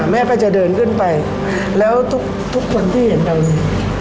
แม่ก็จะเดินขึ้นไปแล้วทุกคนที่เห็นเรามี